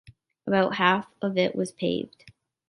About half of it was paved.